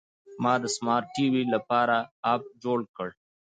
ما د سمارټ ټي وي لپاره اپ جوړ کړ.